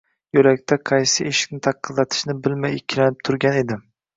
Yo’lakda qaysi eshikni taqillatishni bilmay ikkilanib turgan edim